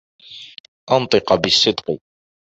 أَنْطِقَ بِالصِّدْقِ.